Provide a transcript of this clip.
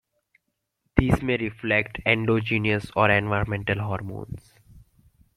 These may reflect endogenous or environmental hormones.